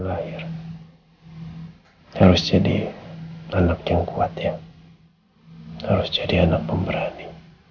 layar harus jadi anak yang kuat ya harus jadi anak pemberani